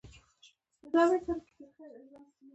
آب وهوا د افغانستان یو لوی طبعي ثروت دی.